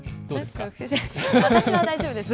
私は大丈夫です。